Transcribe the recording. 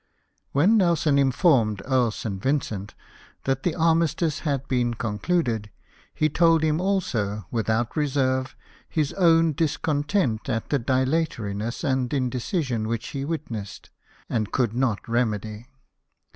When Nelson informed Earl St. Vincent that the armistice had been concluded, he told him also, with out reserve, his own discontent at the dilatoriness and indecision which he witnessed, and could not remedy.